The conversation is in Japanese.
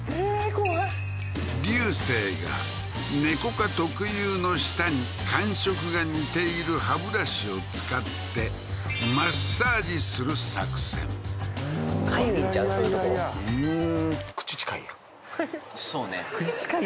怖い流星がネコ科特有の舌に感触が似ている歯ブラシを使ってマッサージする作戦そういうとこうーんそうね